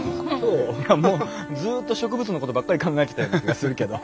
もうずっと植物のことばっかり考えてたような気がするけど。